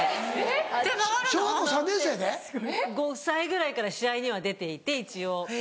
５歳ぐらいから試合には出ていて一応。